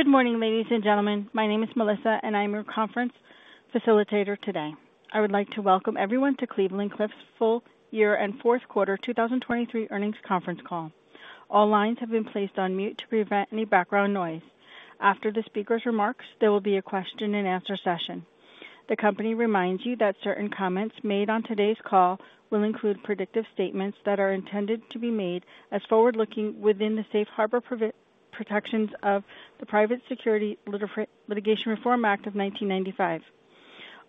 Good morning, ladies and gentlemen. My name is Melissa, and I'm your conference facilitator today. I would like to welcome everyone to Cleveland-Cliffs' Full Year and Q4 2023 Earnings Conference Call. All lines have been placed on mute to prevent any background noise. After the speaker's remarks, there will be a question-and-answer session. The company reminds you that certain comments made on today's call will include predictive statements that are intended to be made as forward-looking within the Safe Harbor protections of the Private Securities Litigation Reform Act of 1995.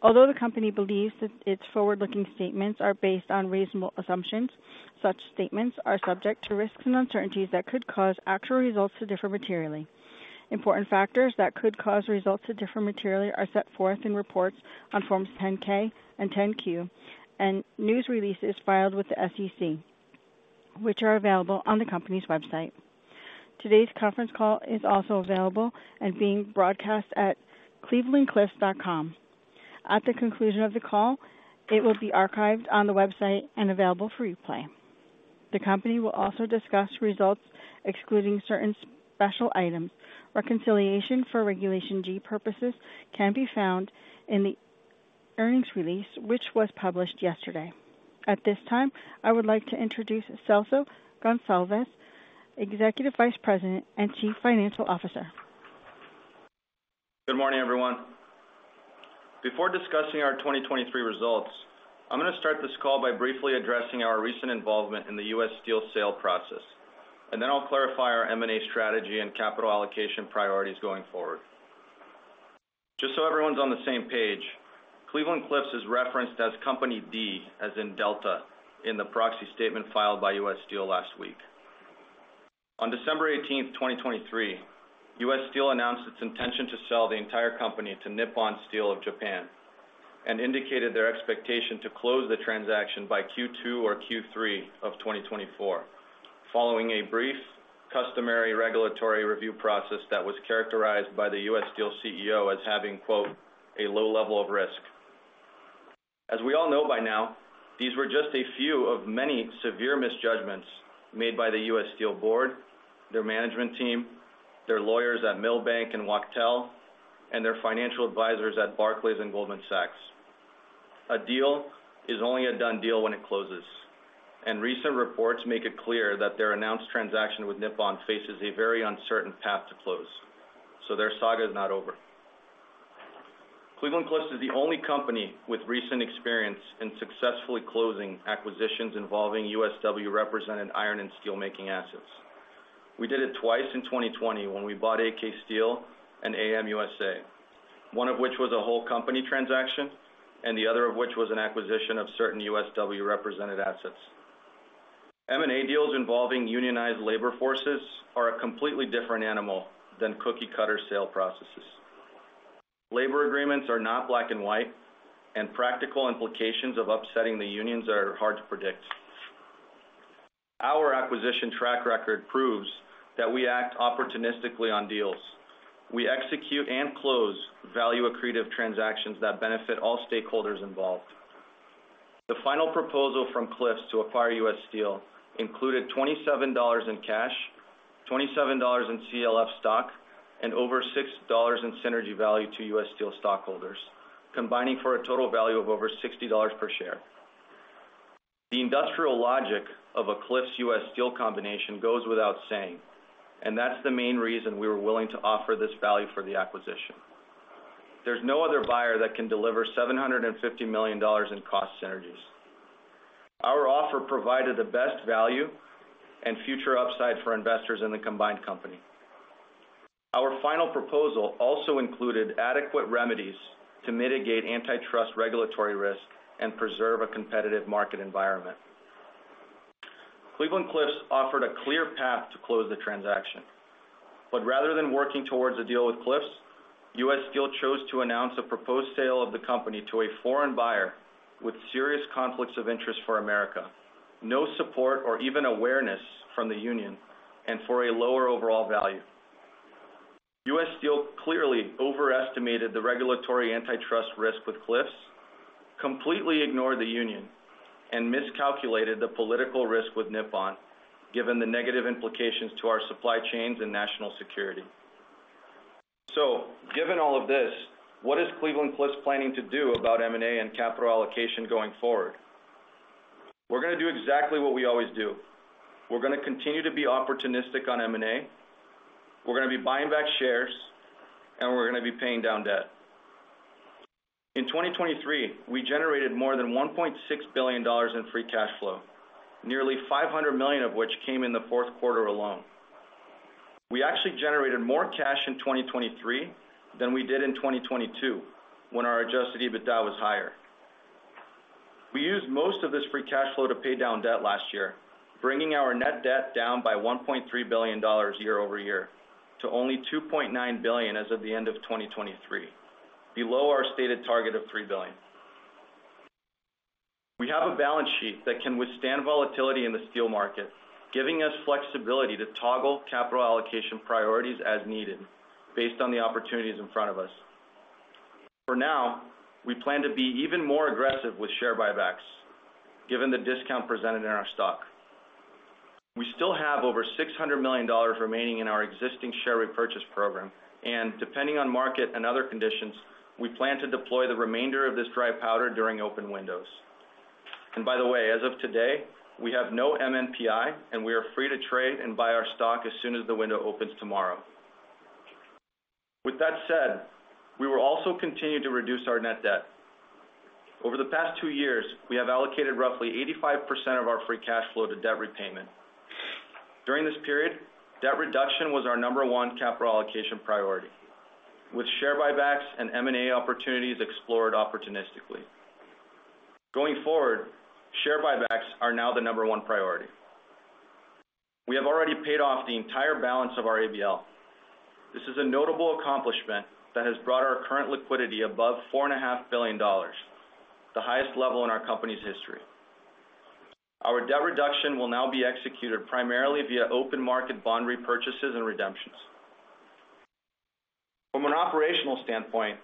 Although the company believes that its forward-looking statements are based on reasonable assumptions, such statements are subject to risks and uncertainties that could cause actual results to differ materially. Important factors that could cause results to differ materially are set forth in reports on Forms 10-K and 10-Q and news releases filed with the SEC, which are available on the company's website. Today's conference call is also available and being broadcast at clevelandcliffs.com. At the conclusion of the call, it will be archived on the website and available for replay. The company will also discuss results excluding certain special items. Reconciliation for Regulation G purposes can be found in the earnings release, which was published yesterday. At this time, I would like to introduce Celso Goncalves, Executive Vice President and Chief Financial Officer. Good morning, everyone. Before discussing our 2023 results, I'm gonna start this call by briefly addressing our recent involvement in the U.S. Steel sale process, and then I'll clarify our M&A strategy and capital allocation priorities going forward. Just so everyone's on the same page, Cleveland-Cliffs is referenced as Company D, as in Delta, in the proxy statement filed by U.S. Steel last week. On December 18, 2023, U.S. Steel announced its intention to sell the entire company to Nippon Steel of Japan, and indicated their expectation to close the transaction by Q2 or Q3 of 2024, following a brief, customary regulatory review process that was characterized by the U.S. Steel CEO as having, quote, "a low level of risk." As we all know by now, these were just a few of many severe misjudgments made by the U.S. Steel board, their management team, their lawyers at Milbank and Wachtell, and their financial advisors at Barclays and Goldman Sachs. A deal is only a done deal when it closes, and recent reports make it clear that their announced transaction with Nippon faces a very uncertain path to close, so their saga is not over. Cleveland-Cliffs is the only company with recent experience in successfully closing acquisitions involving USW-represented iron and steelmaking assets. We did it twice in 2020 when we bought AK Steel and AM USA, one of which was a whole company transaction, and the other of which was an acquisition of certain USW-represented assets. M&A deals involving unionized labor forces are a completely different animal than cookie-cutter sale processes. Labor agreements are not black and white, and practical implications of upsetting the unions are hard to predict. Our acquisition track record proves that we act opportunistically on deals. We execute and close value-accretive transactions that benefit all stakeholders involved. The final proposal from Cliffs to acquire U.S. Steel included $27 in cash, $27 in CLF stock, and over $6 in synergy value to U.S. Steel stockholders, combining for a total value of over $60 per share. The industrial logic of a Cliffs U.S. Steel combination goes without saying, and that's the main reason we were willing to offer this value for the acquisition. There's no other buyer that can deliver $750 million in cost synergies. Our offer provided the best value and future upside for investors in the combined company. Our final proposal also included adequate remedies to mitigate antitrust regulatory risk and preserve a competitive market environment. Cleveland-Cliffs offered a clear path to close the transaction. But rather than working towards a deal with Cliffs, U.S. Steel chose to announce a proposed sale of the company to a foreign buyer with serious conflicts of interest for America, no support or even awareness from the union, and for a lower overall value. U.S. Steel clearly overestimated the regulatory antitrust risk with Cliffs, completely ignored the union, and miscalculated the political risk with Nippon, given the negative implications to our supply chains and national security. So given all of this, what is Cleveland-Cliffs planning to do about M&A and capital allocation going forward? We're gonna do exactly what we always do. We're gonna continue to be opportunistic on M&A, we're gonna be buying back shares, and we're gonna be paying down debt. In 2023, we generated more than $1.6 billion in free cash flow, nearly $500 million of which came in the Q4 alone. We actually generated more cash in 2023 than we did in 2022, when our adjusted EBITDA was higher. We used most of this free cash flow to pay down debt last year, bringing our net debt down by $1.3 billion year-over-year to only $2.9 billion as of the end of 2023, below our stated target of $3 billion. We have a balance sheet that can withstand volatility in the steel market, giving us flexibility to toggle capital allocation priorities as needed, based on the opportunities in front of us. For now, we plan to be even more aggressive with share buybacks, given the discount presented in our stock. We still have over $600 million remaining in our existing share repurchase program, and depending on market and other conditions, we plan to deploy the remainder of this dry powder during open windows. By the way, as of today, we have no MNPI, and we are free to trade and buy our stock as soon as the window opens tomorrow. With that said, we will also continue to reduce our net debt. Over the past 2 years, we have allocated roughly 85% of our free cash flow to debt repayment. During this period, debt reduction was our number 1 capital allocation priority, with share buybacks and M&A opportunities explored opportunistically. Going forward, share buybacks are now the number 1 priority. We have already paid off the entire balance of our ABL. This is a notable accomplishment that has brought our current liquidity above $4.5 billion, the highest level in our company's history. Our debt reduction will now be executed primarily via open market bond repurchases and redemptions. From an operational standpoint,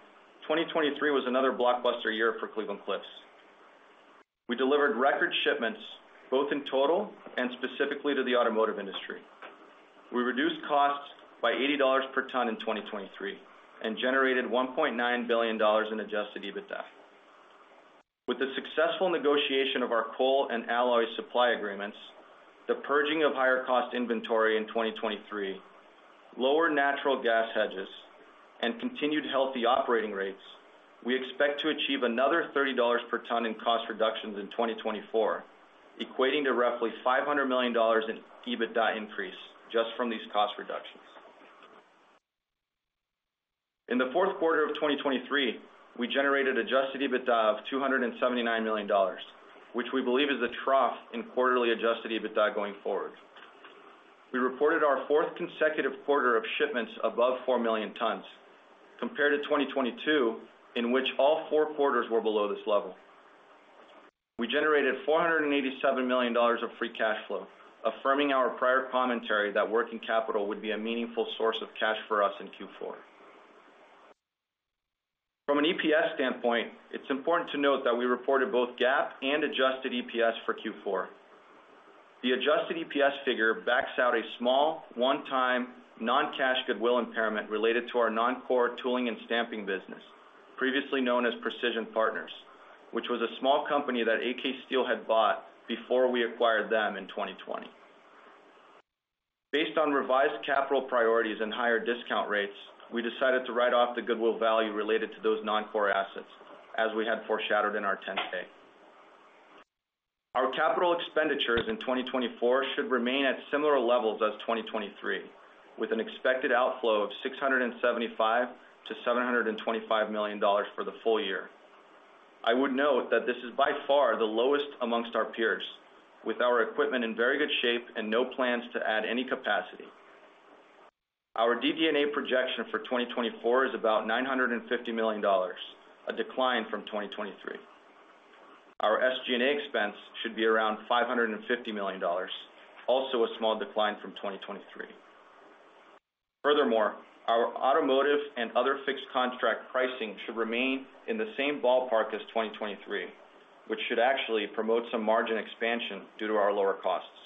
2023 was another blockbuster year for Cleveland-Cliffs. We delivered record shipments, both in total and specifically to the automotive industry. We reduced costs by $80 per ton in 2023, and generated $1.9 billion in Adjusted EBITDA. With the successful negotiation of our coal and alloy supply agreements, the purging of higher cost inventory in 2023, lower natural gas hedges, and continued healthy operating rates, we expect to achieve another $30 per ton in cost reductions in 2024, equating to roughly $500 million in EBITDA increase just from these cost reductions. In the Q4 of 2023, we generated Adjusted EBITDA of $279 million, which we believe is a trough in quarterly Adjusted EBITDA going forward. We reported our fourth consecutive quarter of shipments above 4 million tons, compared to 2022, in which all four quarters were below this level. We generated $487 million of free cash flow, affirming our prior commentary that working capital would be a meaningful source of cash for us in Q4. From an EPS standpoint, it's important to note that we reported both GAAP and adjusted EPS for Q4. The adjusted EPS figure backs out a small, one-time, non-cash goodwill impairment related to our non-core tooling and stamping business, previously known as Precision Partners, which was a small company that AK Steel had bought before we acquired them in 2020. Based on revised capital priorities and higher discount rates, we decided to write off the goodwill value related to those non-core assets, as we had foreshadowed in our 10-K. Our capital expenditures in 2024 should remain at similar levels as 2023, with an expected outflow of $675 million-$725 million for the full year. I would note that this is by far the lowest amongst our peers, with our equipment in very good shape and no plans to add any capacity. Our DD&A projection for 2024 is about $950 million, a decline from 2023. Our SG&A expense should be around $550 million, also a small decline from 2023. Furthermore, our automotive and other fixed contract pricing should remain in the same ballpark as 2023, which should actually promote some margin expansion due to our lower costs.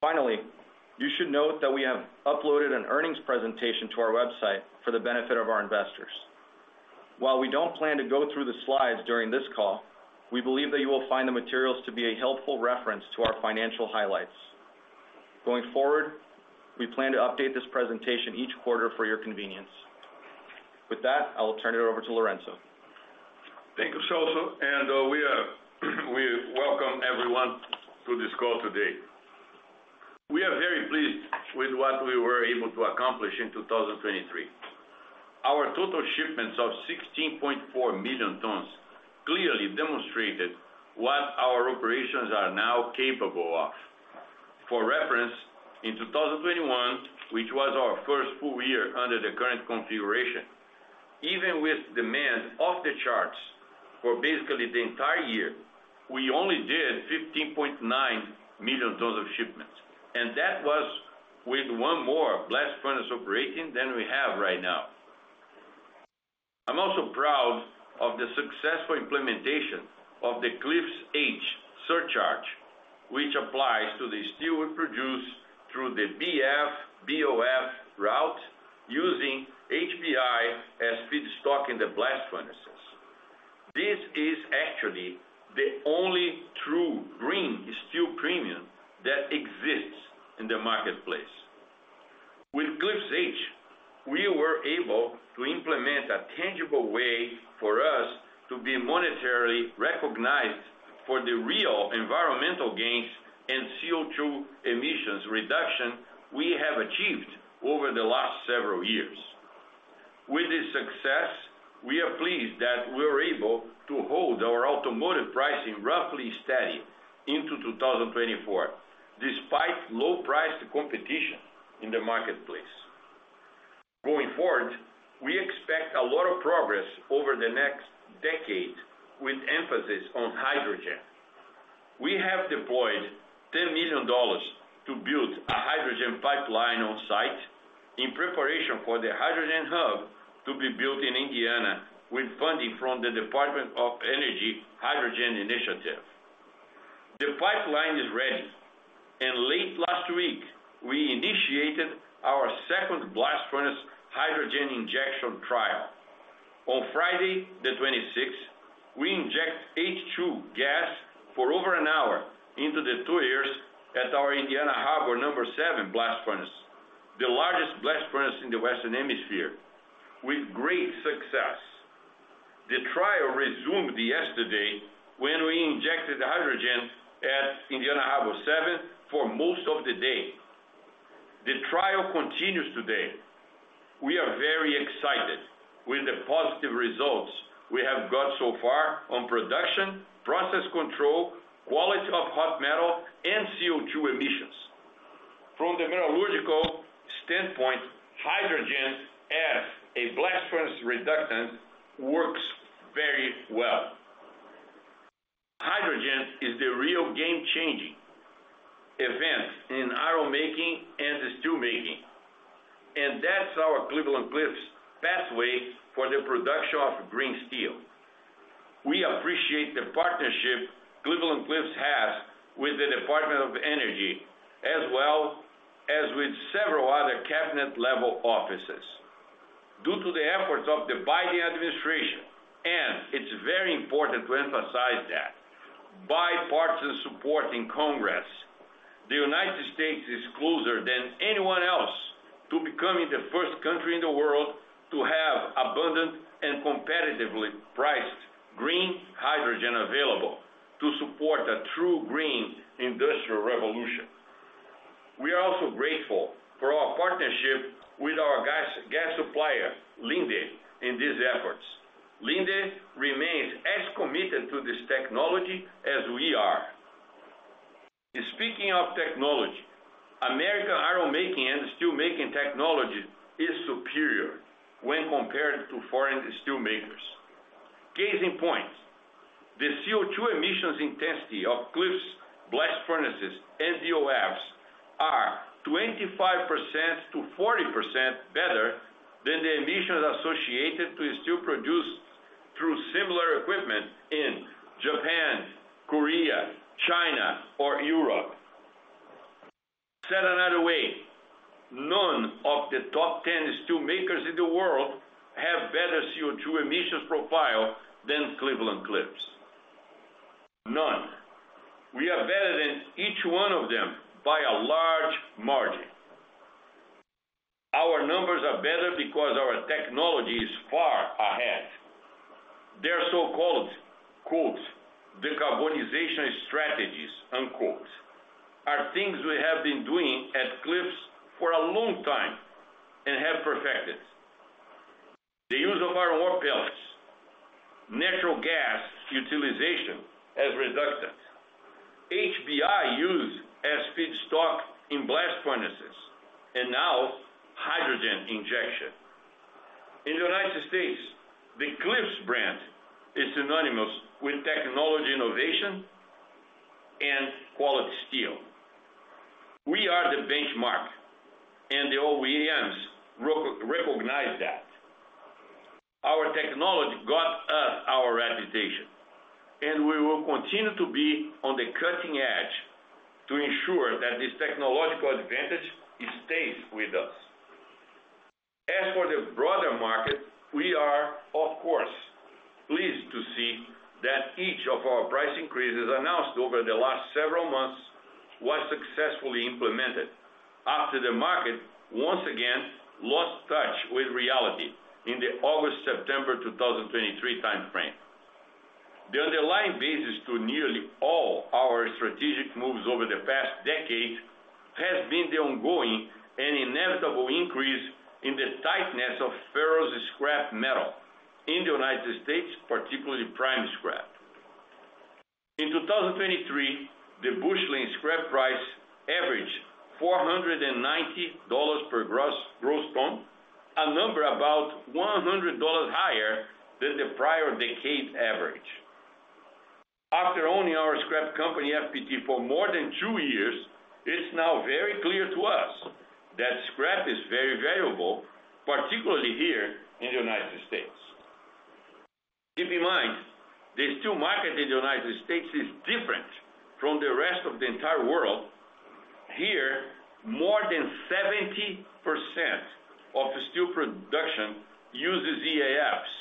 Finally, you should note that we have uploaded an earnings presentation to our website for the benefit of our investors. While we don't plan to go through the slides during this call, we believe that you will find the materials to be a helpful reference to our financial highlights. Going forward, we plan to update this presentation each quarter for your convenience. With that, I will turn it over to Lourenco. Thank you, Celso, and we welcome everyone to this call today. We are very pleased with what we were able to accomplish in 2023. Our total shipments of 16.4 million tons clearly demonstrated what our operations are now capable of. For reference, in 2021, which was our first full year under the current configuration, even with demand off the charts for basically the entire year, we only did 15.9 million tons of shipments, and that was with one more blast furnace operating than we have right now. I'm also proud of the successful implementation of the Cliffs H surcharge, which applies to the steel we produce through the BF/BOF route, using HBI as feedstock in the blast furnaces. This is actually the only true green steel premium that exists in the marketplace. With Cliffs H, we were able to implement a tangible way for us to be monetarily recognized for the real environmental gains and CO₂ emissions reduction we have achieved over the last several years. With this success, we are pleased that we are able to hold our automotive pricing roughly steady into 2024, despite low-priced competition in the marketplace. Going forward, we expect a lot of progress over the next decade, with emphasis on hydrogen. We have deployed $10 million to build a hydrogen pipeline on-site in preparation for the hydrogen hub to be built in Indiana, with funding from the Department of Energy Hydrogen Initiative. The pipeline is ready, and late last week, we initiated our second blast furnace hydrogen injection trial. On Friday, the twenty-sixth, we inject H2 gas for over an hour into the tuyeres at our Indiana Harbor number seven blast furnace, the largest blast furnace in the Western Hemisphere, with great success. The trial resumed yesterday, when we injected the hydrogen at Indiana Harbor number seven for most of the day. The trial continues today. We are very excited with the positive results we have got so far on production, process control, quality of hot metal, and CO₂ emissions. From the metallurgical standpoint, hydrogen as a blast furnace reductant works very well. Hydrogen is the real game-changing event in iron making and the steel making, and that's our Cleveland-Cliffs pathway for the production of green steel. We appreciate the partnership Cleveland-Cliffs has with the Department of Energy, as well as with several other cabinet-level offices. Due to the efforts of the Biden administration, and it's very important to emphasize that, bipartisan support in Congress, the United States is closer than anyone else to becoming the first country in the world to have abundant and competitively priced green hydrogen available, to support a true green industrial revolution. We are also grateful for our partnership with our gas supplier, Linde, in these efforts. Linde remains as committed to this technology as we are. And speaking of technology, American iron making and steelmaking technology is superior when compared to foreign steel makers. Case in point, the CO₂ emissions intensity of Cliffs' blast furnaces and BOFs are 25%-40% better than the emissions associated to a steel produced through similar equipment in Japan, Korea, China, or Europe. Said another way, none of the top ten steel makers in the world have better CO₂ emissions profile than Cleveland-Cliffs. None. We are better than each one of them by a large margin. Our numbers are better because our technology is far ahead. Their so-called, quote, "decarbonization strategies," unquote, are things we have been doing at Cliffs for a long time and have perfected. The use of our ore pellets, natural gas utilization as reductant, HBI used as feedstock in blast furnaces, and now, hydrogen injection. In the United States, the Cliffs brand is synonymous with technology, innovation, and quality steel. We are the benchmark, and the OEMs recognize that. Our technology got us our reputation, and we will continue to be on the cutting edge to ensure that this technological advantage stays with us. As for the broader market, we are, of course, pleased to see that each of our price increases announced over the last several months was successfully implemented after the market once again lost touch with reality in the August, September 2023 timeframe. The underlying basis to nearly all our strategic moves over the past decade has been the ongoing and inevitable increase in the tightness of ferrous scrap metal in the United States, particularly prime scrap. In 2023, the Busheling scrap price averaged $490 per gross ton, a number about $100 higher than the prior decade average. After owning our scrap company, FPT, for more than two years, it's now very clear to us that scrap is very valuable, particularly here in the United States. Keep in mind, the steel market in the United States is different from the rest of the entire world. Here, more than 70% of the steel production uses EAFs,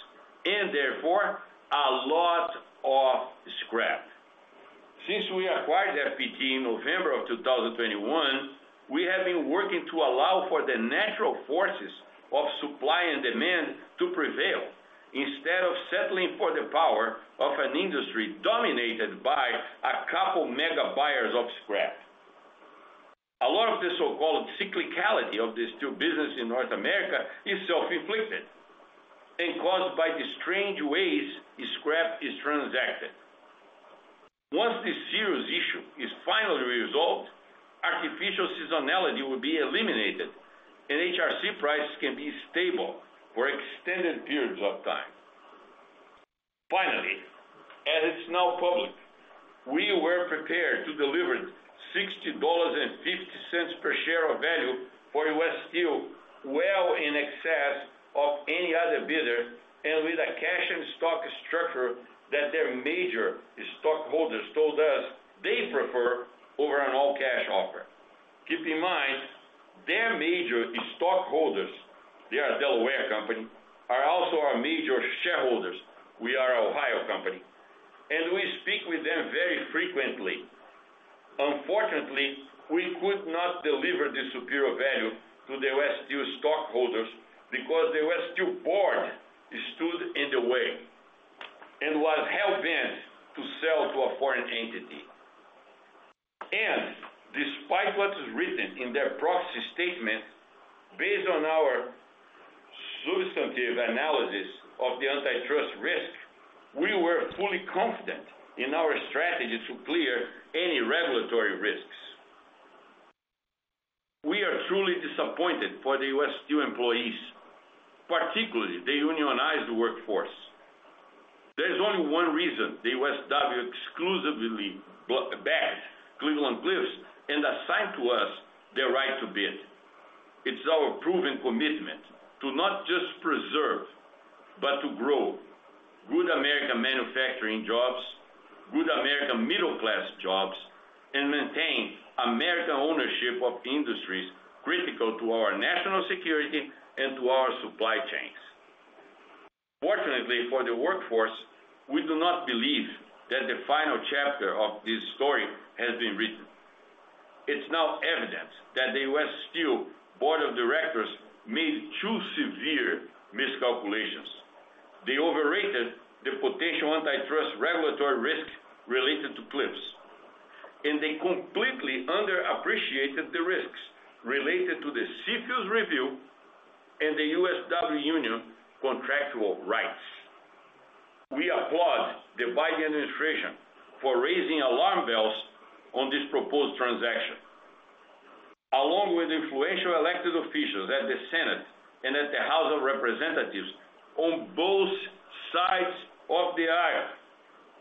and therefore, a lot of scrap. Since we acquired FPT in November 2021, we have been working to allow for the natural forces of supply and demand to prevail, instead of settling for the power of an industry dominated by a couple mega buyers of scrap. A lot of the so-called cyclicality of the steel business in North America is self-inflicted and caused by the strange ways e-scrap is transacted. Once this serious issue artificial seasonality will be eliminated, and HRC prices can be stable for extended periods of time. Finally, as it's now public, we were prepared to deliver $60.50 per share of value for U.S. Steel, well in excess of any other bidder, and with a cash and stock structure that their major stockholders told us they prefer over an all-cash offer. Keep in mind, their major stockholders, they are a Delaware company, are also our major shareholders. We are an Ohio company, and we speak with them very frequently. Unfortunately, we could not deliver this superior value to the U.S. Steel stockholders because the U.S. Steel board stood in the way, and was hell-bent to sell to a foreign entity. Despite what is written in their proxy statement, based on our substantive analysis of the antitrust risk, we were fully confident in our strategy to clear any regulatory risks. We are truly disappointed for the U.S. Steel employees, particularly the unionized workforce. There is only one reason the USW exclusively backed Cleveland-Cliffs and assigned to us the right to bid. It's our proven commitment to not just preserve, but to grow good American manufacturing jobs, good American middle-class jobs, and maintain American ownership of the industries critical to our national security and to our supply chains. Fortunately, for the workforce, we do not believe that the final chapter of this story has been written. It's now evident that the U.S. Steel board of directors made two severe miscalculations. They overrated the potential antitrust regulatory risk related to Cliffs, and they completely underappreciated the risks related to the CFIUS review and the USW union contractual rights. We applaud the Biden administration for raising alarm bells on this proposed transaction. Along with influential elected officials at the Senate and at the House of Representatives on both sides of the aisle,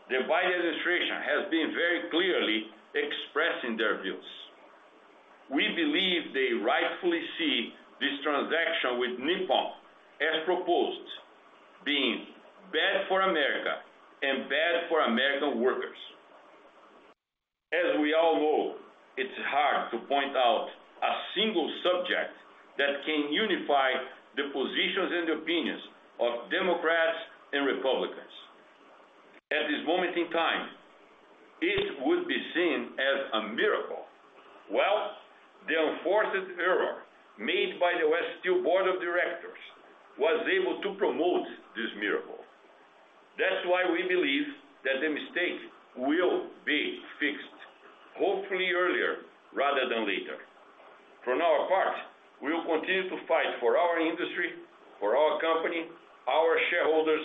the Biden administration has been very clearly expressing their views. We believe they rightfully see this transaction with Nippon, as proposed, being bad for America and bad for American workers. As we all know, it's hard to point out a single subject that can unify the positions and opinions of Democrats and Republicans. At this moment in time, it would be seen as a miracle. Well, the unfortunate error made by the U.S. Steel board of directors was able to promote this miracle. That's why we believe that the mistake will be fixed, hopefully earlier rather than later. For now, apart, we will continue to fight for our industry, for our company, our shareholders,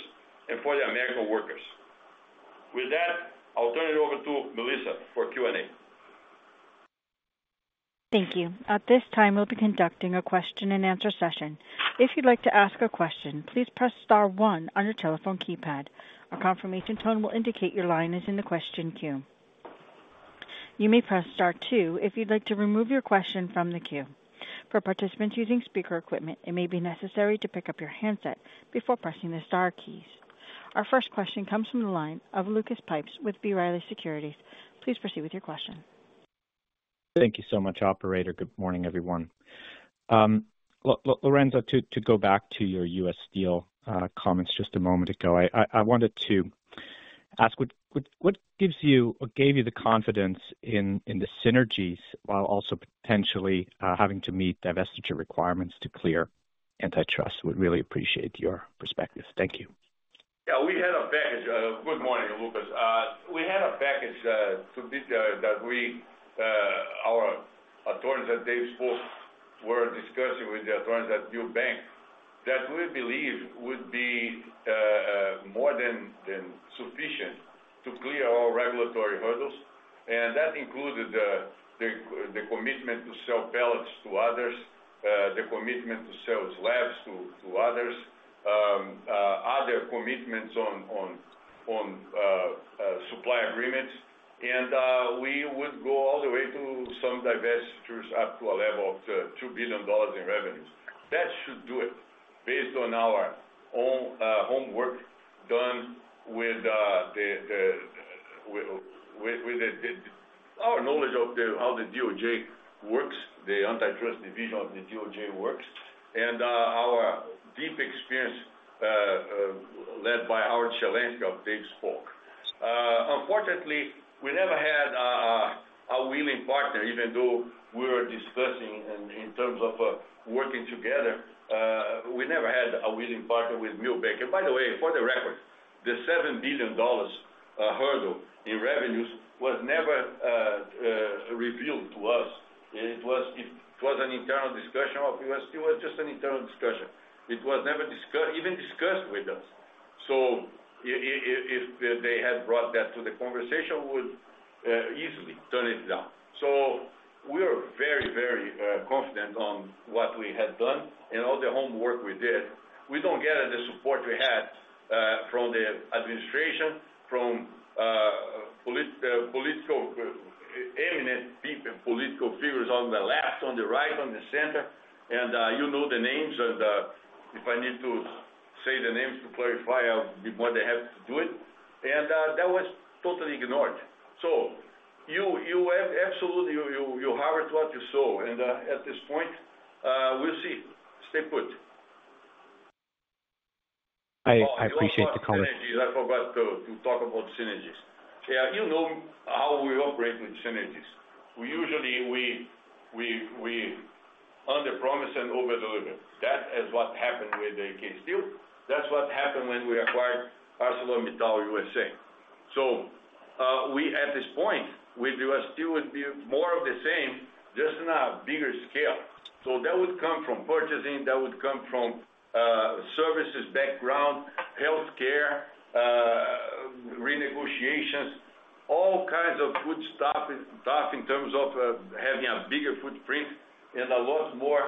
and for the American workers. With that, I'll turn it over to Melissa for Q&A. Thank you. At this time, we'll be conducting a question-and-answer session. If you'd like to ask a question, please press star one on your telephone keypad. A confirmation tone will indicate your line is in the question queue. You may press star two if you'd like to remove your question from the queue. For participants using speaker equipment, it may be necessary to pick up your handset before pressing the star keys. Our first question comes from the line of Lucas Pipes with B. Riley Securities. Please proceed with your question. Thank you so much, operator. Good morning, everyone. Lourenco, to go back to your U.S. Steel comments just a moment ago, I wanted to ask, what gives you or gave you the confidence in the synergies while also potentially having to meet divestiture requirements to clear antitrust? Would really appreciate your perspective. Thank you. Yeah, we had a package. Good morning, Lucas. We had a package that we, our attorneys at Davis Polk were discussing with the attorneys at Milbank, that we believe would be more than sufficient to clear all regulatory hurdles, and that included the commitment to sell pellets to others, the commitment to sell slabs to others, other commitments on supply agreements, and we would go all the way to some divestitures up to a level of $2 billion in revenues. That should do it, based on our own homework done with our knowledge of how the DOJ works, the antitrust division of the DOJ works, and our deep experience led by Howard Shelanski of Davis Polk. Unfortunately, we never had a willing partner, even though we were discussing in terms of working together, we never had a willing partner with Milbank. And by the way, for the record, the $7 billion hurdle in revenues was never revealed to us. It was an internal discussion of U.S. Steel. It was just an internal discussion. It was never even discussed with us. So if they had brought that to the conversation, would easily turn it down. So we are very, very confident on what we have done and all the homework we did. We don't get the support we had from the administration, from political eminent people, political figures on the left, on the right, on the center, and you know the names, and if I need to say the names to clarify, I'll be more than happy to do it, and that was totally ignored. So you absolutely harvest what you sow, and at this point we'll see. Stay put. I appreciate the comment. I forgot to talk about synergies. Yeah, you know, how we operate with synergies. We usually underpromise and overdeliver. That is what happened with the AK Steel. That's what happened when we acquired ArcelorMittal USA. So, we at this point, with U.S. Steel, would be more of the same, just on a bigger scale. So that would come from purchasing, that would come from services background, healthcare, renegotiations, all kinds of good stuff, in terms of having a bigger footprint and a lot more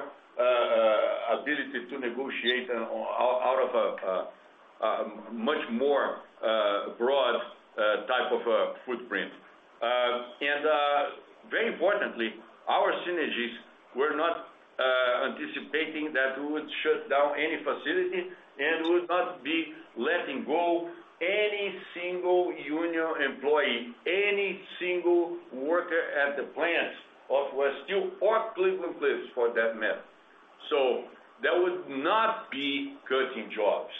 ability to negotiate out of a much more broad type of a footprint. And very importantly, our synergies, we're not anticipating that we would shut down any facility and would not be letting go any single union employee, any single worker at the plants of U.S. Steel or Cleveland-Cliffs, for that matter. So there would not be cutting jobs.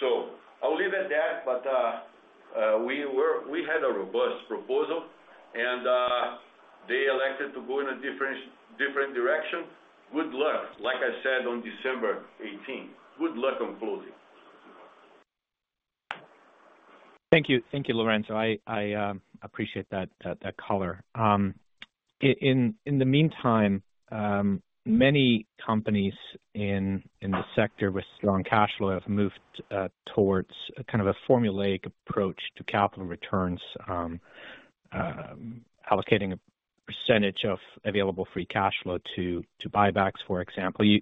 So I'll leave it at that, but we had a robust proposal, and they elected to go in a different, different direction. Good luck. Like I said, on December eighteenth, good luck on closing. Thank you. Thank you, Lourenco. I appreciate that color. In the meantime, many companies in the sector with strong cash flow have moved towards a kind of a formulaic approach to capital returns, allocating a percentage of available free cash flow to buybacks, for example. You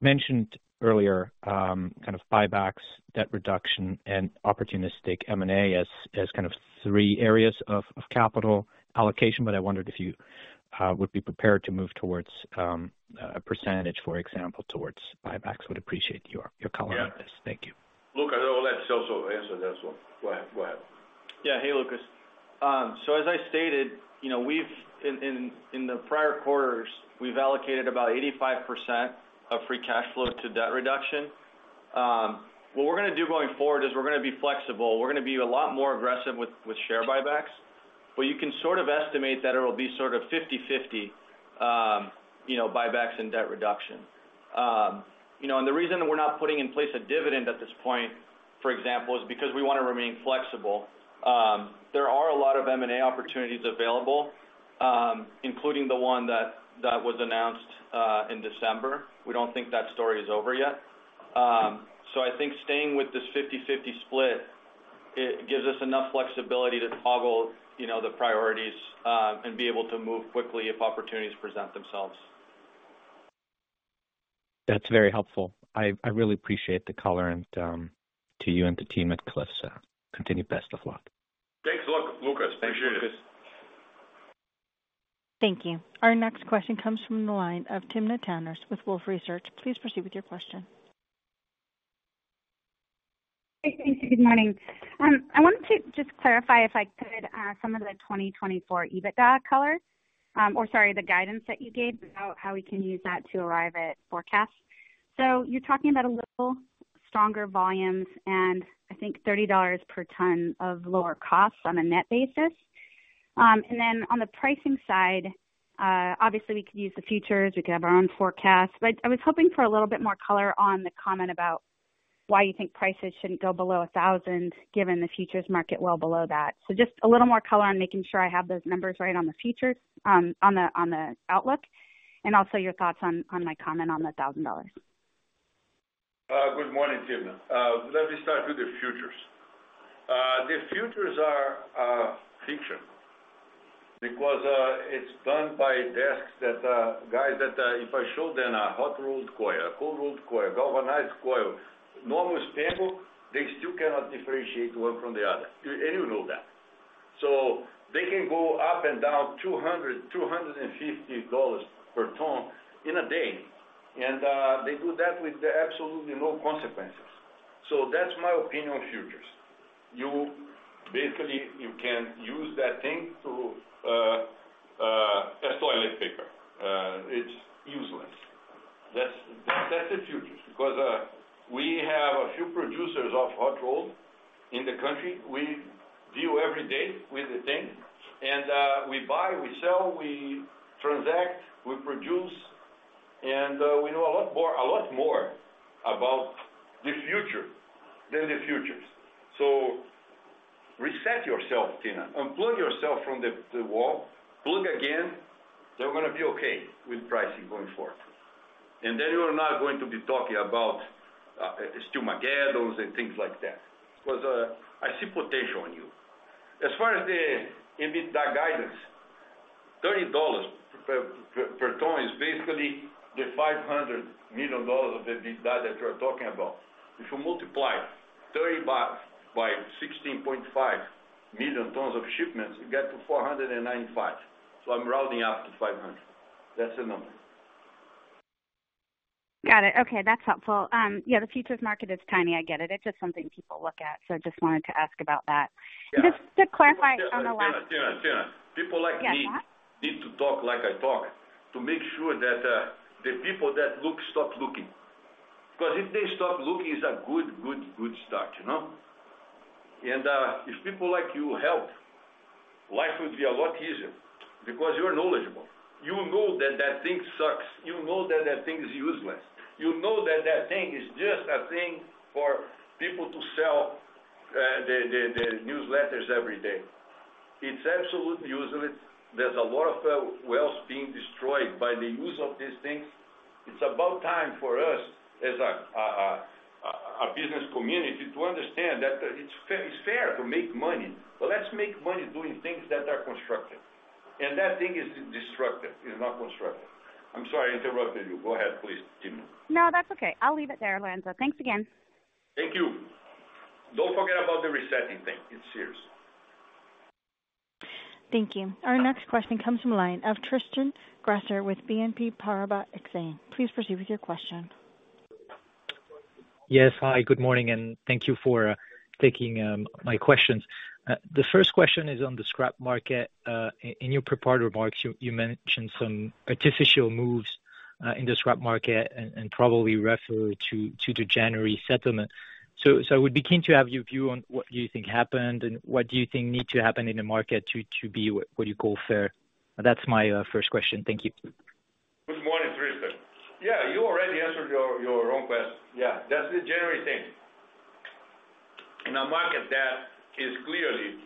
mentioned earlier kind of buybacks, debt reduction, and opportunistic M&A as kind of three areas of capital allocation, but I wondered if you would be prepared to move towards a percentage, for example, towards buybacks. Would appreciate your color on this. Yeah. Thank you. Luke, I know, I'll let Celso answer that one. Go ahead. Go ahead. Yeah. Hey, Lucas. So as I stated, you know, we've, in the prior quarters, we've allocated about 85% of free cash flow to debt reduction. What we're gonna do going forward is we're gonna be flexible. We're gonna be a lot more aggressive with share buybacks, but you can sort of estimate that it will be sort of 50/50, you know, buybacks and debt reduction. You know, and the reason we're not putting in place a dividend at this point, for example, is because we want to remain flexible. There are a lot of M&A opportunities available, including the one that was announced in December. We don't think that story is over yet. I think staying with this 50/50 split, it gives us enough flexibility to toggle, you know, the priorities, and be able to move quickly if opportunities present themselves. That's very helpful. I, I really appreciate the color and to you and the team at Cliffs. Continued best of luck. Thanks a lot, Lucas. Appreciate it. Thanks, Lucas. Thank you. Our next question comes from the line of Timna Tanners with Wolfe Research. Please proceed with your question. Hey, thank you. Good morning. I wanted to just clarify, if I could, some of the 2024 EBITDA color, or sorry, the guidance that you gave about how we can use that to arrive at forecasts. So you're talking about a little stronger volumes and I think $30 per ton of lower costs on a net basis. And then on the pricing side, obviously, we could use the futures, we could have our own forecast, but I was hoping for a little bit more color on the comment about why you think prices shouldn't go below $1,000, given the futures market well below that. So just a little more color on making sure I have those numbers right on the futures, on the outlook, and also your thoughts on my comment on the $1,000. Good morning, Timna. Let me start with the futures. The futures are fiction, because it's done by desks that guys that if I show them a hot-rolled coil, a cold-rolled coil, galvanized coil, normal slab, they still cannot differentiate one from the other, and you know that. So they can go up and down $200-$250 per ton in a day, and they do that with absolutely no consequences. So that's my opinion on futures. You basically can use that thing as toilet paper. It's useless. That's the futures, because we have a few producers of hot-rolled in the country. We deal every day with the thing, and we buy, we sell, we transact, we produce, and we know a lot more, a lot more about the future than the futures.... yourself, Timna. Unplug yourself from the wall, plug again. You're gonna be okay with pricing going forward. And then you are not going to be talking about Steelmageddon and things like that, because I see potential in you. As far as the EBITDA guidance, $30 per ton is basically the $500 million of EBITDA that you're talking about. If you multiply $30 by 16.5 million tons of shipments, you get to 495. So I'm rounding up to 500. That's the number. Got it. Okay, that's helpful. Yeah, the futures market is tiny. I get it. It's just something people look at, so I just wanted to ask about that. Yeah. Just to clarify on the last- Timna, Timna, people like me- Yes... need to talk like I talk, to make sure that the people that look, stop looking. Because if they stop looking, it's a good, good, good start, you know? And if people like you help, life would be a lot easier because you're knowledgeable. You know that that thing sucks. You know that that thing is useless. You know that that thing is just a thing for people to sell the newsletters every day. It's absolutely useless. There's a lot of wealth being destroyed by the use of these things. It's about time for us as a business community, to understand that it's fair, it's fair to make money, but let's make money doing things that are constructive. And that thing is destructive, it's not constructive. I'm sorry I interrupted you. Go ahead, please, Timna. No, that's okay. I'll leave it there, Lourenco. Thanks again. Thank you. Don't forget about the resetting thing. It's serious. Thank you. Our next question comes from line of Tristan Gresser with BNP Paribas Exane. Please proceed with your question. Yes, hi, good morning, and thank you for taking my questions. The first question is on the scrap market. In your prepared remarks, you mentioned some artificial moves in the scrap market and probably refer to the January settlement. So I would be keen to have your view on what you think happened and what do you think need to happen in the market to be what you call fair? That's my first question. Thank you. Good morning, Tristan. Yeah, you already answered your own question. Yeah, that's the January thing. In a market that is clearly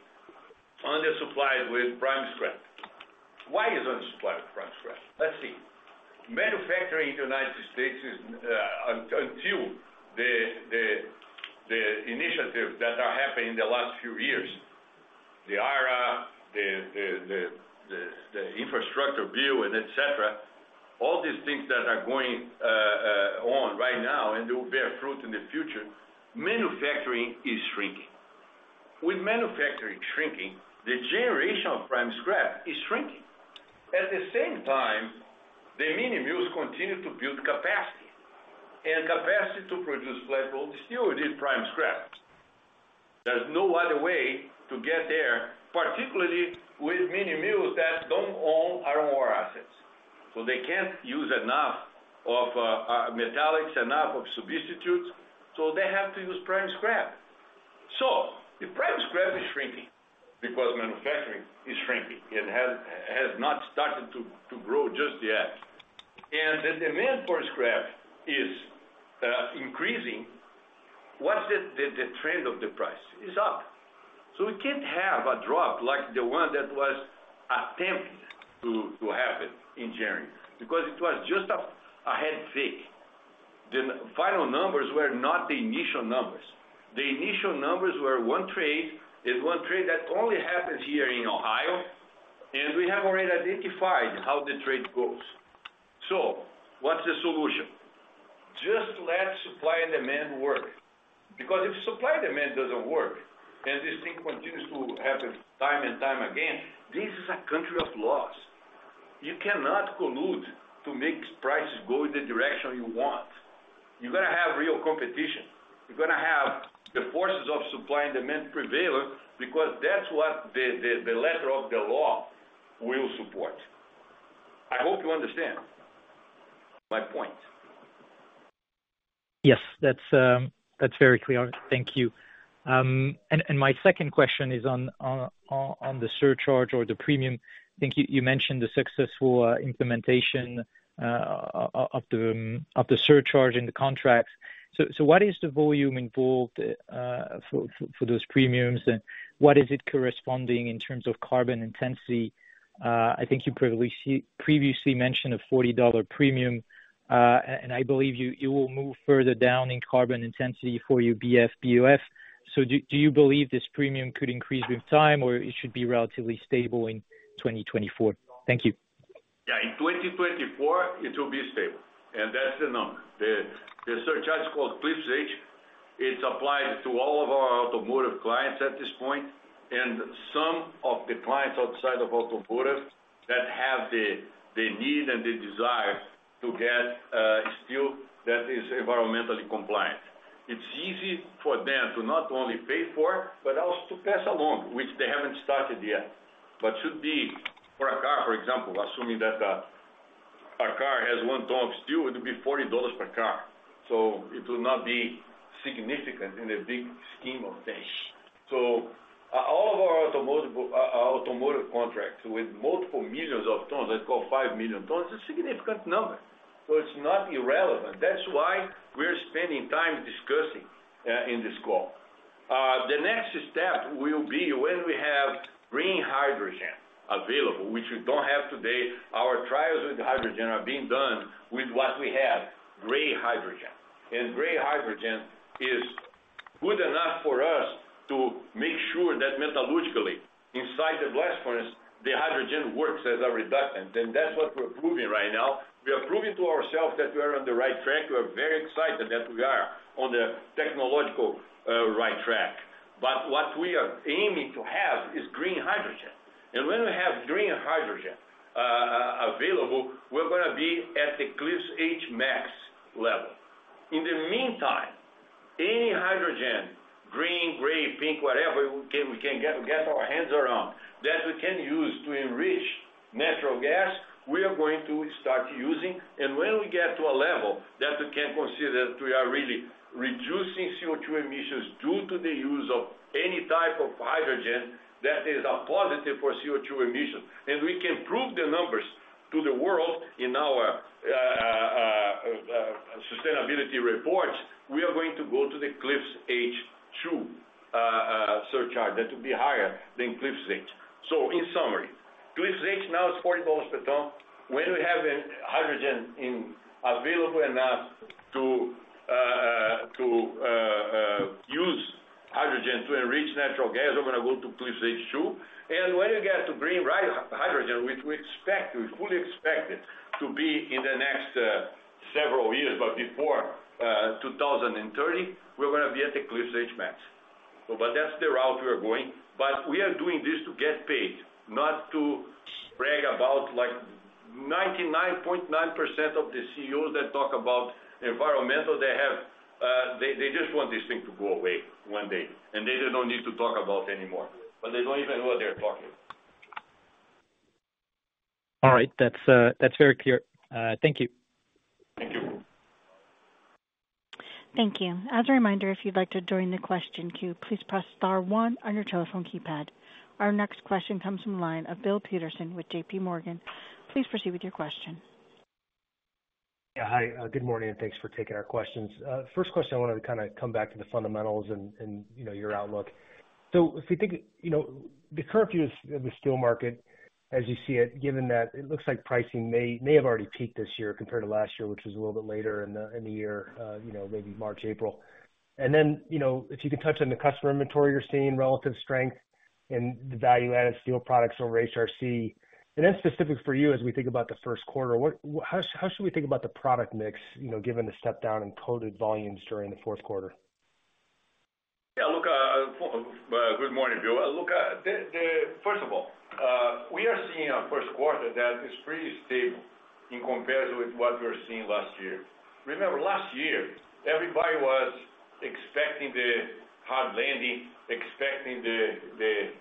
undersupplied with prime scrap. Why is it undersupplied with prime scrap? Let's see. Manufacturing in the United States is until the initiatives that are happening in the last few years, the IRA, the infrastructure bill, and et cetera, all these things that are going on right now and will bear fruit in the future, manufacturing is shrinking. With manufacturing shrinking, the generation of prime scrap is shrinking. At the same time, the mini mills continue to build capacity, and capacity to produce flat steel using prime scrap. There's no other way to get there, particularly with mini mills that don't own iron ore assets. So they can't use enough of, metallics, enough of substitutes, so they have to use prime scrap. So the prime scrap is shrinking because manufacturing is shrinking and has not started to grow just yet. And the demand for scrap is, increasing. What's the trend of the price? It's up. So we can't have a drop like the one that was attempted to happen in January, because it was just a head fake. The final numbers were not the initial numbers. The initial numbers were one trade, and one trade that only happens here in Ohio, and we have already identified how the trade goes. So what's the solution? Just let supply and demand work, because if supply and demand doesn't work, and this thing continues to happen time and time again, this is a country of laws. You cannot collude to make prices go in the direction you want. You've got to have real competition. You're gonna have the forces of supply and demand prevail, because that's what the letter of the law will support. I hope you understand my point. Yes, that's very clear. Thank you. And my second question is on the surcharge or the premium. I think you mentioned the successful implementation of the surcharge in the contracts. So what is the volume involved for those premiums, and what is it corresponding in terms of carbon intensity? I think you probably see previously mentioned a $40 premium, and I believe you will move further down in carbon intensity for your BF/BOF. So do you believe this premium could increase with time, or it should be relatively stable in 2024? Thank you. Yeah, in 2024, it will be stable, and that's the number. The surcharge is called Cliffs H. It applies to all of our automotive clients at this point, and some of the clients outside of automotive that have the need and the desire to get steel that is environmentally compliant. It's easy for them to not only pay for it, but also to pass along, which they haven't started yet, but should be. For a car, for example, assuming that a car has one ton of steel, it would be $40 per car. So it will not be significant in the big scheme of things. So all of our auto contracts with multiple millions of tons, let's call 5 million tons, a significant number. So it's not irrelevant. That's why we're spending time discussing in this call. The next step will be when we have green hydrogen available, which we don't have today. Our trials with hydrogen are being done with what we have, gray hydrogen. And gray hydrogen is good enough for us to make sure that metallurgically, inside the blast furnace, the hydrogen works as a reductant, and that's what we're proving right now. We are proving to ourselves that we are on the right track. We are very excited that we are on the technological, right track. But what we are aiming to have is green hydrogen. And when we have green hydrogen, available, we're gonna be at the Cliffs H Max level. In the meantime, any hydrogen, green, gray, pink, whatever we can, we can get, get our hands around, that we can use to enrich natural gas, we are going to start using. And when we get to a level that we can consider that we are really reducing CO₂ emissions due to the use of any type of hydrogen, that is a positive for CO₂ emission. And we can prove the numbers to the world in our sustainability report, we are going to go to the Cliffs H2 surcharge. That will be higher than Cliffs H. So in summary, Cliffs H now is $40 per ton. When we have hydrogen available enough to use hydrogen to enrich natural gas, we're gonna go to Cliffs H2, and when you get to green hydrogen, which we expect, we fully expect it to be in the next several years, but before 2030, we're gonna be at the Cliffs H Max. So but that's the route we are going. But we are doing this to get paid, not to brag about, like, 99.9% of the CEOs that talk about environmental, they have, they just want this thing to go away one day, and they just don't need to talk about anymore, but they don't even know what they're talking. All right. That's, that's very clear. Thank you. Thank you. Thank you. As a reminder, if you'd like to join the question queue, please press star one on your telephone keypad. Our next question comes from line of Bill Peterson with JP Morgan. Please proceed with your question. Yeah, hi, good morning, and thanks for taking our questions. First question, I wanted to kind of come back to the fundamentals and, you know, your outlook. So if you think, you know, the current views of the steel market as you see it, given that it looks like pricing may have already peaked this year compared to last year, which is a little bit later in the year, you know, maybe March, April. And then, you know, if you can touch on the customer inventory you're seeing relative strength and the value-added steel products over HRC. And then specific for you, as we think about the Q1, what how should we think about the product mix, you know, given the step down in coated volumes during the Q4? Yeah, look, good morning, Bill. Look, first of all, we are seeing a Q1 that is pretty stable in comparison with what we were seeing last year. Remember, last year, everybody was expecting the hard landing, expecting the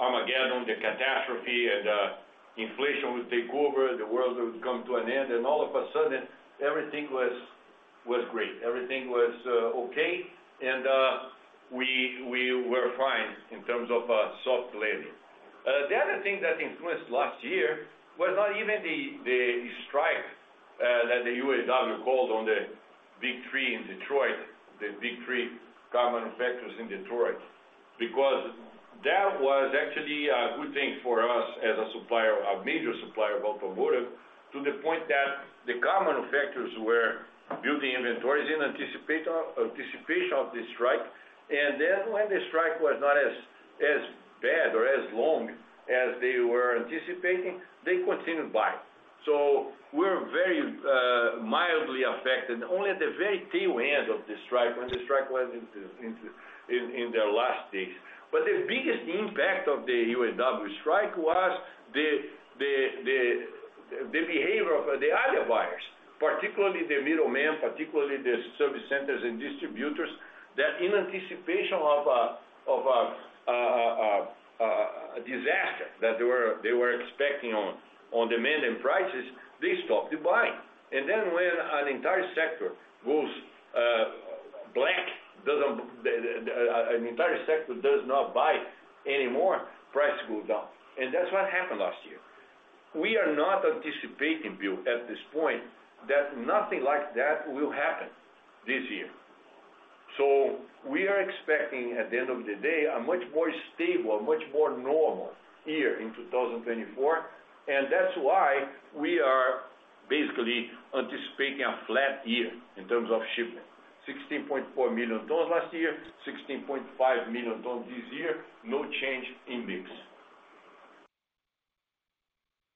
Armageddon, the catastrophe, and inflation would take over, the world would come to an end, and all of a sudden, everything was great, everything was okay, and we were fine in terms of a soft landing. The other thing that influenced last year was not even the strike that the UAW called on the Big Three in Detroit, the Big Three car manufacturers in Detroit, because that was actually a good thing for us as a supplier, a major supplier of automotive, to the point that the car manufacturers were building inventories in anticipation of the strike. And then when the strike was not as bad or as long as they were anticipating, they continued buying. So we're very mildly affected, only at the very tail end of the strike, when the strike was in the last days. But the biggest impact of the UAW strike was the behavior of the other buyers, particularly the middleman, particularly the service centers and distributors, that in anticipation of a disaster that they were expecting on demand and prices, they stopped buying. And then when an entire sector goes black, an entire sector does not buy anymore, prices go down. And that's what happened last year. We are not anticipating, Bill, at this point, that nothing like that will happen this year. So we are expecting, at the end of the day, a much more stable, a much more normal year in 2024, and that's why we are basically anticipating a flat year in terms of shipment. 16.4 million tons last year, 16.5 million tons this year, no change in mix.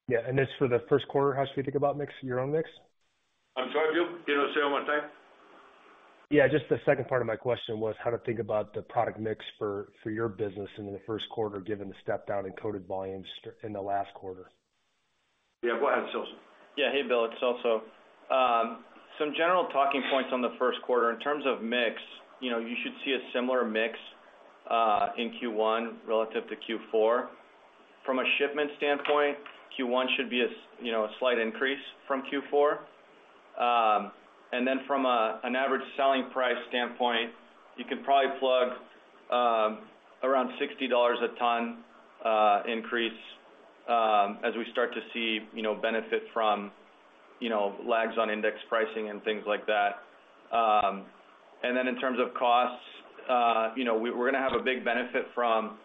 Yeah, and as for the Q1, how should we think about mix, your own mix? I'm sorry, Bill, can you say one more time? Yeah, just the second part of my question was, how to think about the product mix for your business in the Q1, given the step down in coated volumes in the last quarter? Yeah, go ahead, Celso. Yeah. Hey, Bill, it's Celso. Some general talking points on the Q1. In terms of mix, you know, you should see a similar mix in Q1 relative to Q4. From a shipment standpoint, Q1 should be, you know, a slight increase from Q4.... And then from an average selling price standpoint, you can probably plug around $60 a ton increase as we start to see, you know, benefit from, you know, lags on index pricing and things like that. And then in terms of costs, you know, we're gonna have a big benefit from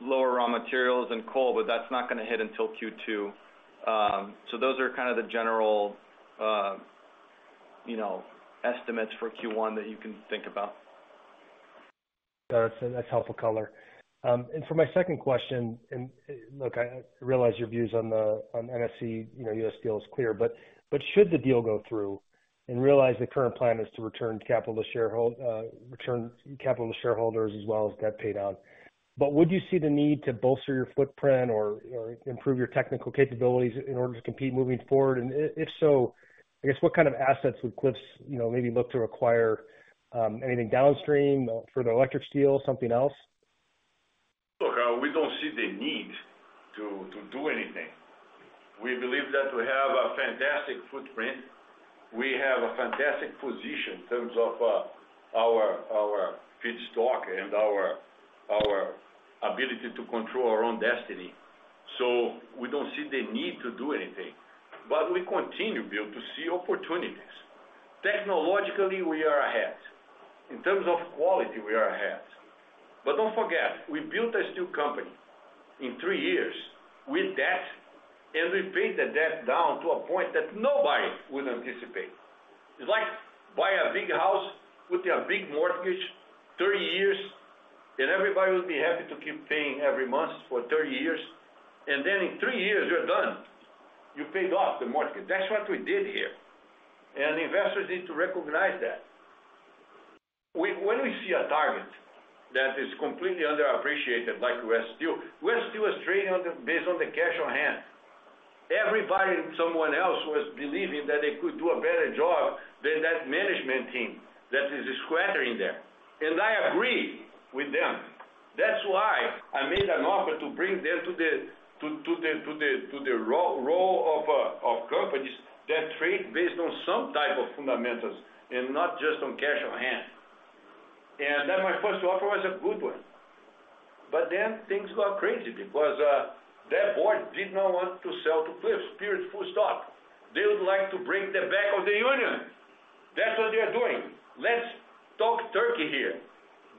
lower raw materials and coal, but that's not gonna hit until Q2. So those are kind of the general, you know, estimates for Q1 that you can think about. That's helpful color. And for my second question, look, I realize your views on the on NSC, you know, U.S. Steel is clear. But should the deal go through, and realize the current plan is to return capital to shareholders as well as debt paid down. But would you see the need to bolster your footprint or improve your technical capabilities in order to compete moving forward? And if so, I guess, what kind of assets would Cliffs, you know, maybe look to acquire, anything downstream for the electric steel, something else? Look, we don't see the need to do anything. We believe that we have a fantastic footprint. We have a fantastic position in terms of our feedstock and our ability to control our own destiny. So we don't see the need to do anything, but we continue, Bill, to see opportunities. Technologically, we are ahead. In terms of quality, we are ahead. But don't forget, we built a steel company in 3 years with debt, and we paid the debt down to a point that nobody would anticipate. It's like buying a big house with a big mortgage, 30 years, and everybody would be happy to keep paying every month for 30 years, and then in 3 years, you're done. You paid off the mortgage. That's what we did here, and investors need to recognize that. When we see a target that is completely underappreciated, like U.S. Steel, U.S. Steel was trading based on the cash on hand. Everybody, someone else, was believing that they could do a better job than that management team that is squatting there. And I agree with them. That's why I made an offer to bring them to the role of companies that trade based on some type of fundamentals and not just on cash on hand. And then my first offer was a good one. But then things got crazy because their board did not want to sell to Cliffs, period, full stop. They would like to break the back of the union. That's what they are doing. Let's talk turkey here.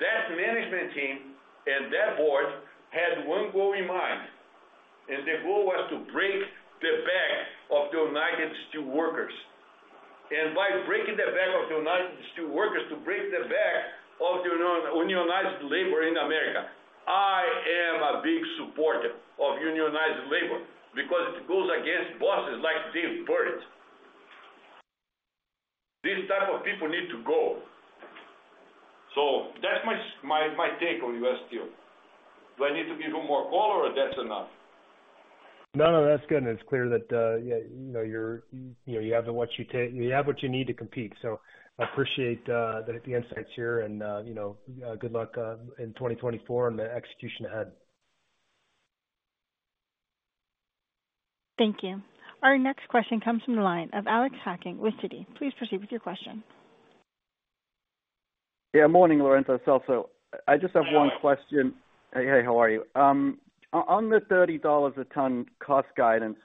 That management team and that board had one goal in mind, and the goal was to break the back of the United Steelworkers. And by breaking the back of the United Steelworkers, to break the back of the non-unionized labor in America. I am a big supporter of unionized labor because it goes against bosses like David Burritt. These type of people need to go. So that's my take on U.S. Steel. Do I need to give you more color, or that's enough? No, no, that's good. And it's clear that, yeah, you know, you're, you know, you have what you need to compete. So I appreciate the insights here and, you know, good luck in 2024 and the execution ahead. Thank you. Our next question comes from the line of Alex Hacking with Citi. Please proceed with your question. Yeah, morning, Lourenco, Celso. I just have one question. Hey, how are you? On the $30 a ton cost guidance,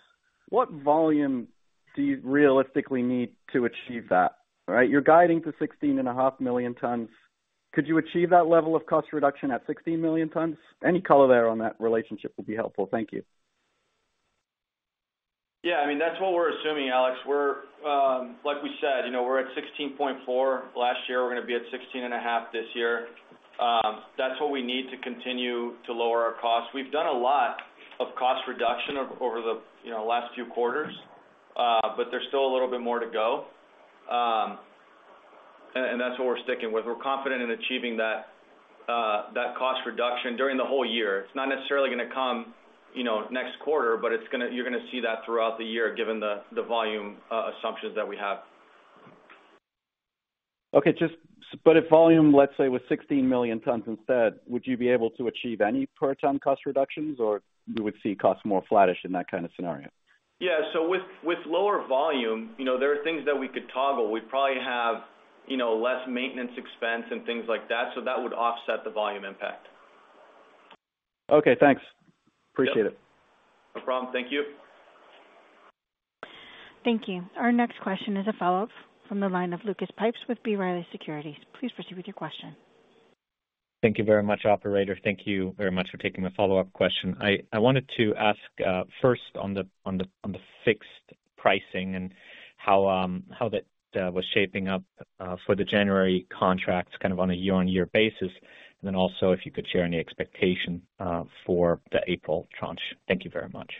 what volume do you realistically need to achieve that, right? You're guiding to 16.5 million tons. Could you achieve that level of cost reduction at 16 million tons? Any color there on that relationship would be helpful. Thank you. Yeah, I mean, that's what we're assuming, Alex. We're, like we said, you know, we're at 16.4 last year, we're gonna be at 16.5 this year. That's what we need to continue to lower our costs. We've done a lot of cost reduction over the, you know, last few quarters, but there's still a little bit more to go. And that's what we're sticking with. We're confident in achieving that, that cost reduction during the whole year. It's not necessarily gonna come, you know, next quarter, but it's gonna—you're gonna see that throughout the year, given the volume assumptions that we have. Okay, just, but if volume, let's say, was 16 million tons instead, would you be able to achieve any per ton cost reductions, or you would see costs more flattish in that kind of scenario? Yeah, so with lower volume, you know, there are things that we could toggle. We'd probably have, you know, less maintenance expense and things like that, so that would offset the volume impact. Okay, thanks. Appreciate it. No problem. Thank you. Thank you. Our next question is a follow-up from the line of Lucas Pipes with B. Riley Securities. Please proceed with your question. Thank you very much, operator. Thank you very much for taking my follow-up question. I wanted to ask first on the fixed pricing and how that was shaping up for the January contracts, kind of on a year-on-year basis, and then also if you could share any expectation for the April tranche. Thank you very much.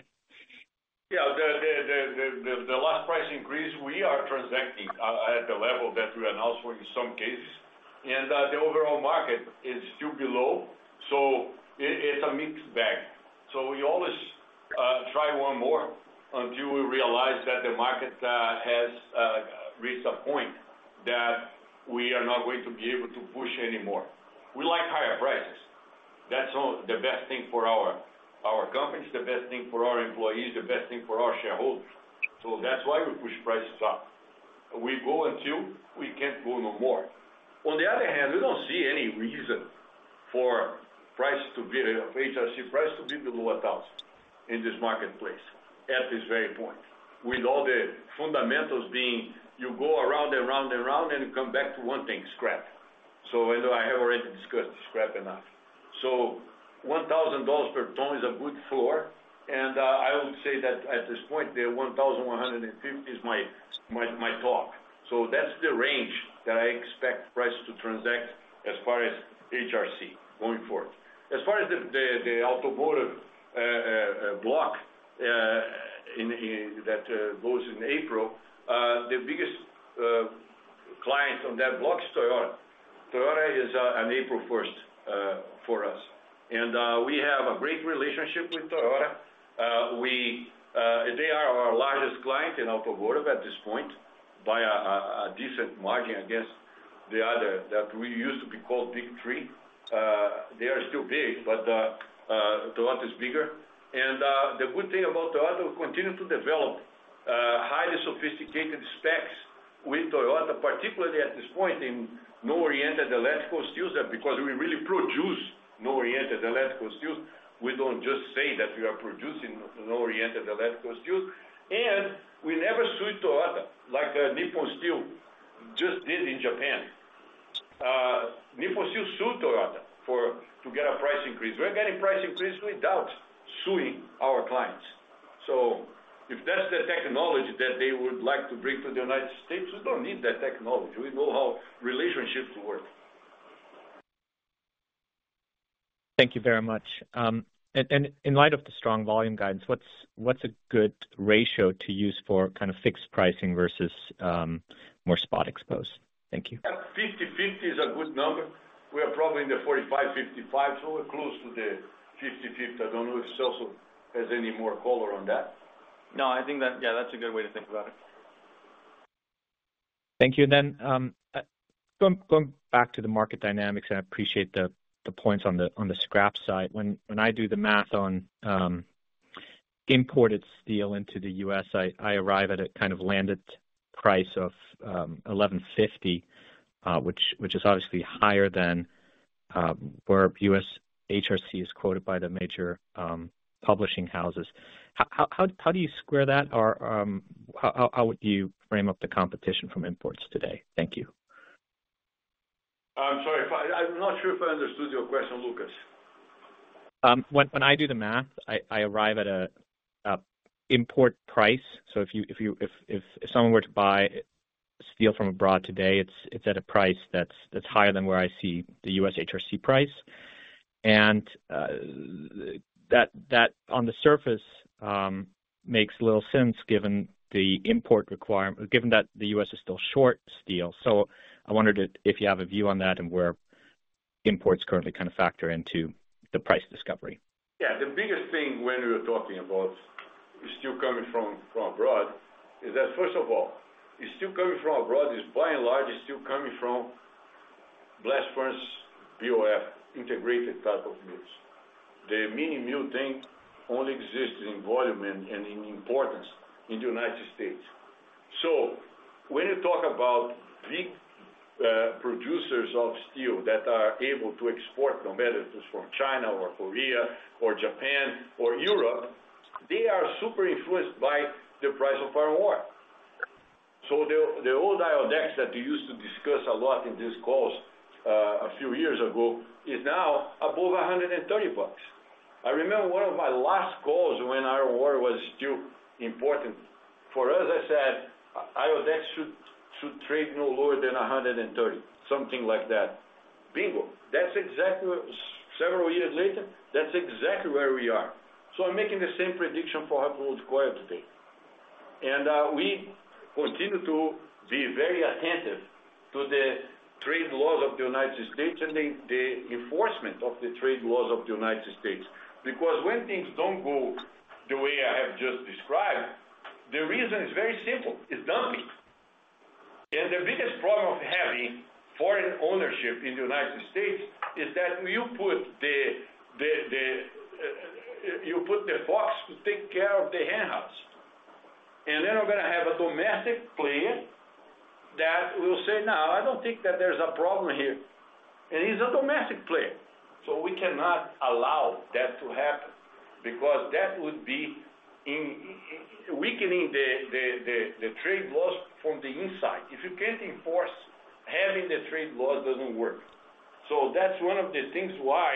Yeah, the last price increase, we are transacting at the level that we announced for in some cases, and the overall market is still below, so it's a mixed bag. So we always try one more until we realize that the market has reached a point that we are not going to be able to push anymore. We like higher prices.... That's all the best thing for our company, it's the best thing for our employees, the best thing for our shareholders. So that's why we push prices up. We go until we can't go no more. On the other hand, we don't see any reason for price to be, HRC price to be below 1,000 in this marketplace, at this very point. With all the fundamentals being, you go around and round and round and come back to one thing, scrap. So I know I have already discussed scrap enough. So $1,000 per ton is a good floor, and I would say that at this point, the 1,150 is my talk. So that's the range that I expect prices to transact as far as HRC going forward. As far as the automotive block in that goes in April, the biggest client on that block is Toyota. Toyota is on April first for us. And we have a great relationship with Toyota. They are our largest client in automotive at this point, by a decent margin against the others that we used to call the Big Three. They are still big, but Toyota is bigger. The good thing about Toyota, we continue to develop highly sophisticated specs with Toyota, particularly at this point in non-oriented electrical steels, that because we really produce non-oriented electrical steels, we don't just say that we are producing non-oriented electrical steels. And we never sued Toyota, like Nippon Steel just did in Japan. Nippon Steel sued Toyota to get a price increase. We're getting price increase without suing our clients. So if that's the technology that they would like to bring to the United States, we don't need that technology. We know how relationships work. Thank you very much. In light of the strong volume guidance, what's a good ratio to use for kind of fixed pricing versus more spot exposed? Thank you. 50/50 is a good number. We are probably in the 45-55, so we're close to the 50/50. I don't know if Celso has any more color on that. No, I think that, yeah, that's a good way to think about it. Thank you. Then, going back to the market dynamics, and I appreciate the points on the scrap side. When I do the math on imported steel into the U.S., I arrive at a kind of landed price of $1,150, which is obviously higher than where U.S. HRC is quoted by the major publishing houses. How do you square that, or how would you frame up the competition from imports today? Thank you. I'm sorry, I'm not sure if I understood your question, Lucas. When I do the math, I arrive at an import price. So if someone were to buy steel from abroad today, it's at a price that's higher than where I see the U.S. HRC price. And that on the surface makes little sense given the import requirement, given that the U.S. is still short steel. So I wondered if you have a view on that and where imports currently kind of factor into the price discovery. Yeah, the biggest thing when we're talking about steel coming from abroad is that, first of all, the steel coming from abroad is by and large still coming from blast furnace, BOF, integrated type of mills. The mini mill thing only exists in volume and in importance in the United States. So when you talk about big producers of steel that are able to export, no matter if it's from China or Korea or Japan or Europe, they are super influenced by the price of iron ore. So the old IO index that we used to discuss a lot in these calls a few years ago is now above $130. I remember one of my last calls when iron ore was still important for us. I said, "IO index should trade no lower than 130," something like that. Bingo! That's exactly what... Several years later, that's exactly where we are. So I'm making the same prediction for HRC today. And we continue to be very attentive to the trade laws of the United States and the enforcement of the trade laws of the United States. Because when things don't go the way I have just described, the reason is very simple, it's dumping. And the biggest problem of having foreign ownership in the United States is that you put the fox to take care of the henhouse. And then we're gonna have a domestic player that will say, "No, I don't think that there's a problem here." And he's a domestic player, so we cannot allow that to happen, because that would be in weakening the trade laws from the inside. If you can't enforce, having the trade laws doesn't work. So that's one of the things why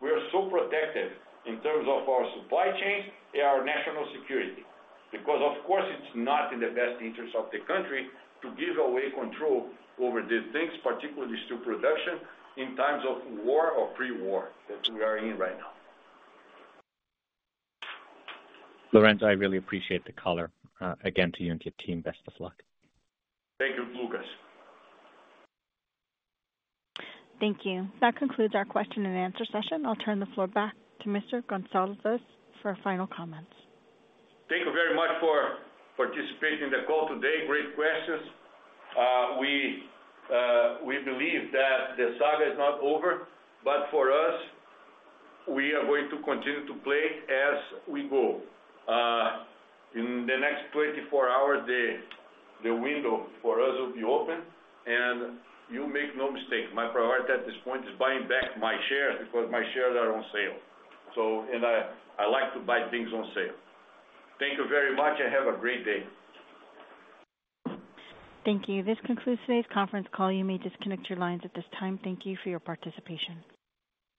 we are so protected in terms of our supply chains and our national security. Because, of course, it's not in the best interest of the country to give away control over these things, particularly steel production, in times of war or pre-war, that we are in right now. Lourenco, I really appreciate the call, again, to you and your team. Best of luck. Thank you, Lucas. Thank you. That concludes our question and answer session. I'll turn the floor back to Mr. Goncalves for final comments. Thank you very much for participating in the call today. Great questions. We, we believe that the saga is not over, but for us, we are going to continue to play as we go. In the next 24 hours, the window for us will be open, and you make no mistake, my priority at this point is buying back my shares, because my shares are on sale. So, and I, I like to buy things on sale. Thank you very much, and have a great day. Thank you. This concludes today's conference call. You may disconnect your lines at this time. Thank you for your participation.